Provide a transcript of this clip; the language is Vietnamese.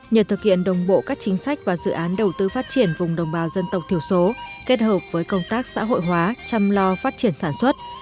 nhờ thực hiện đồng bộ các chính sách và dự án đầu tư phát triển vùng đồng bào dân tộc thiểu số kết hợp với công tác xã hội hóa chăm lo phát triển sản xuất